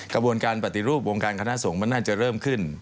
กระบวนการปฏิรูปวงการคณะสงฆ์มันน่าจะเริ่มขึ้น